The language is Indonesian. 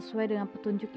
putrinya itu bye bye